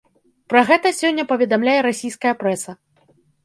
Пра гэта сёння паведамляе расійская прэса.